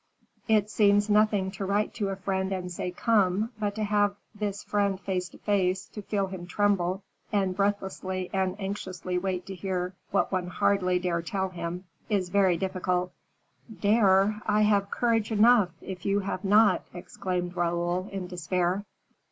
It seems nothing to write to a friend and say 'Come;' but to have this friend face to face, to feel him tremble, and breathlessly and anxiously wait to hear what one hardly dare tell him, is very difficult." "Dare! I have courage enough, if you have not," exclaimed Raoul, in despair.